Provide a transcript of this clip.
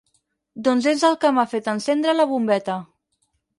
Doncs és el que m'ha fet encendre la bombeta.